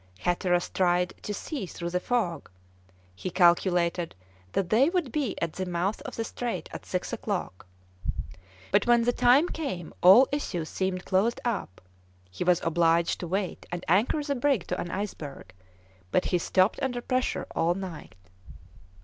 Hatteras tried to see through the fog; he calculated that they would be at the mouth of the strait at six o'clock, but when the time came all issue seemed closed up; he was obliged to wait and anchor the brig to an iceberg; but he stopped under pressure all night.